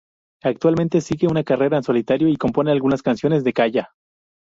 Actualmente sigue una carrera en solitario y compone algunas canciones de "Kaya".